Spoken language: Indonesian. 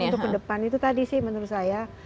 untuk ke depan itu tadi sih menurut saya